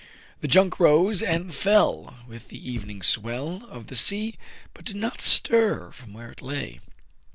The junk rose and fell with the even swell of the sea, but did not stir from where it lay.